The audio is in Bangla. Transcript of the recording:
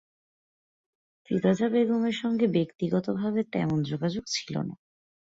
ফিরোজা বেগমের সঙ্গে ব্যক্তিগতভাবে তেমন যোগাযোগ ছিল না।